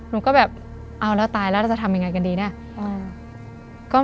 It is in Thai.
แล้วตายแล้วเราจะทำยังไงกันดีเนี่ย